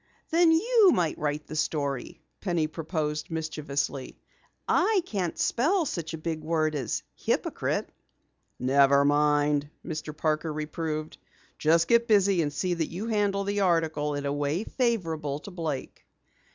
"Then you might write the story," Penny proposed mischievously. "I can't spell such a big word as hypocrite!" "Never mind," Mr. Parker reproved. "Just get busy and see that you handle the article in a way favorable to Blake."